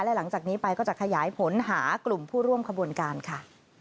และหลังจากนี้ไปก็จะขยายผลหากลุ่มผู้ร่วมขบวนการค่ะ